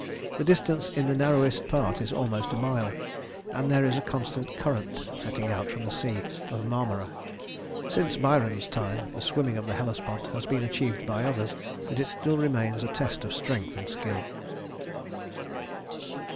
The distance in the narrowest part is almost a mile, and there is a constant current setting out from the Sea of Marmora. Since Byron's time the swimming of the Hellespont has been achieved by others; but it still remains a test of strength and skill.